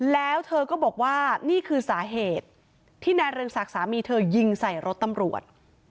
แล้วเธอก็บอกว่านี่คือสาเหตุที่นายเรืองศักดิ์สามีเธอยิงใส่รถตำรวจ